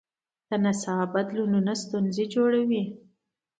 د نصاب بدلونونه ستونزې جوړوي.